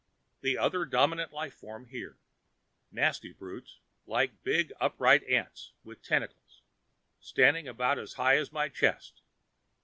"The other dominant life form here. Nasty brutes, like big upright ants with tentacles. Stand about as high as my chest.